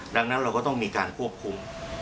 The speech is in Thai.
ดังนั้นเราก็ต้องมีการควบคุม